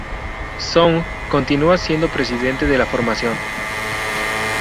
Soong continúa siendo presidente de la formación.